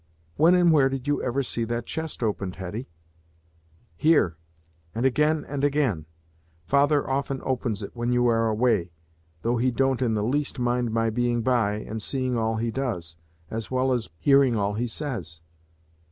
"When and where did you ever see that chest opened, Hetty?" "Here, and again and again. Father often opens it when you are away, though he don't in the least mind my being by, and seeing all he does, as well as hearing all he says."